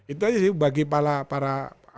itu aja sih bagi para